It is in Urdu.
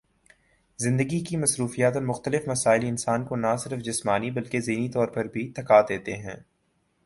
زندگی کی مصروفیات اور مختلف مسائل انسان کو نہ صرف جسمانی بلکہ ذہنی طور پر بھی تھکا دیتے ہیں